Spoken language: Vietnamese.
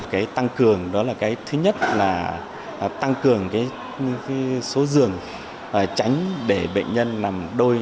cái tăng cường đó là thứ nhất là tăng cường số giường tránh để bệnh nhân nằm đôi